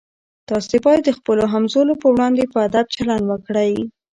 تاسي باید د خپلو همزولو په وړاندې په ادب چلند وکړئ.